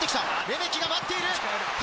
レメキが待っている！